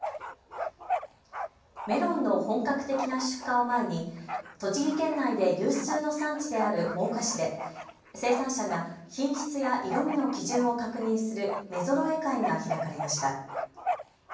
メロンの本格的な出荷を前に栃木県内で有数の産地である真岡市で生産者が品質や色みの基準を確認する目ぞろえ会が開かれました。